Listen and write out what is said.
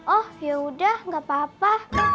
oh yaudah gak apa apa